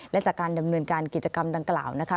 และจากการดำเนินการกิจกรรมดังกล่าวนะคะ